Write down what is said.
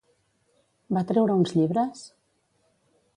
Va treure uns llibres?